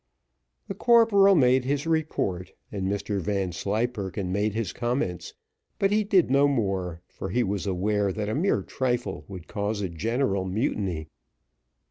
The corporal made his report, and Mr Vanslyperken made his comments, but he did no more, for he was aware that a mere trifle would cause a general mutiny.